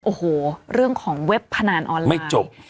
โอ้โหเรื่องของเว็บพนันออนไลน์ไม่จบ